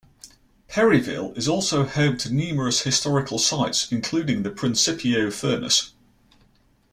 Perryville is also home to numerous historical sites including the Principio Furnace.